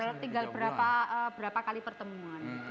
dua bulan sampai tiga bulan selesai tinggal berapa kali pertemuan